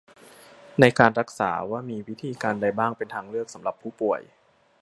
ในทางการรักษา ว่ามีวิธีการใดบ้างเป็นทางเลือกสำหรับผู้ป่วย